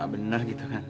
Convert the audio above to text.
benar gitu kan